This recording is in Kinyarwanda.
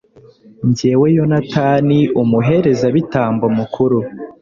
jyewe yonatani, umuherezabitambo mukuru